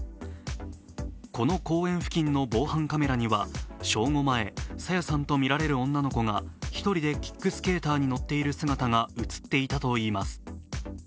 この公園付近の防犯カメラには正午前、朝芽さんと見られる女の子が１人で１人でキックスケーターに乗っている姿が映っていたといいます。